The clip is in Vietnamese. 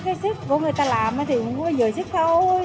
cái xếp của người ta làm thì cũng có nhiều xếp thôi